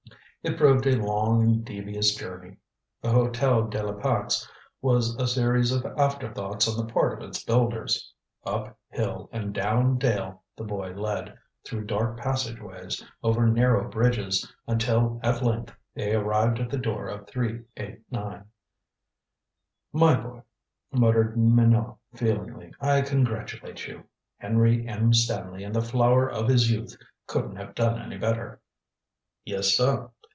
It proved a long and devious journey. The Hotel de la Pax was a series of afterthoughts on the part of its builders. Up hill and down dale the boy led, through dark passageways, over narrow bridges, until at length they arrived at the door of 389. "My boy," muttered Minot feelingly, "I congratulate you. Henry M. Stanley in the flower of his youth couldn't have done any better." "Yes, suh."